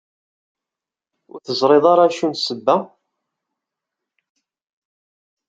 Ur teẓriḍ ara acu n ssebba?